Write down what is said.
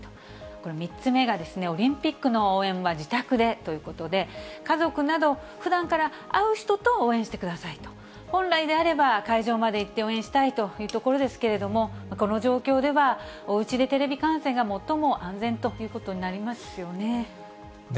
これ３つ目が、オリンピックの応援は自宅でということで、家族など、ふだんから会う人と応援してくださいと、本来であれば、会場まで行って応援したいというところですけれども、この状況では、おうちでテレビ観戦が最も安全ということになりますよね。